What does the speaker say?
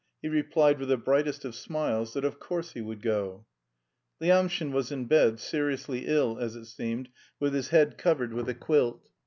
he replied with the brightest of smiles that "of course he would go." Lyamshin was in bed, seriously ill, as it seemed, with his head covered with a quilt.